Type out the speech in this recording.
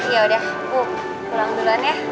yaudah aku pulang duluan ya